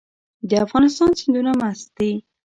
د افغانستان سیندونه مست دي